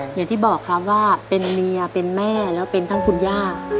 อย่างที่บอกครับว่าเป็นเมียเป็นแม่แล้วเป็นทั้งคุณย่า